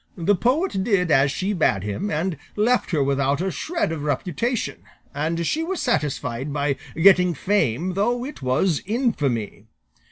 The poet did as she bade him, and left her without a shred of reputation, and she was satisfied by getting fame though it was infamy.